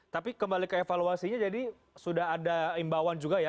tapi kembali ke evaluasinya jadi sudah ada imbauan juga ya